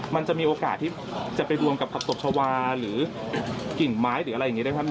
มันจะมีโอกาสที่จะไปรวมกับผักตบชาวาหรือกิ่งไม้หรืออะไรอย่างนี้ได้ครับ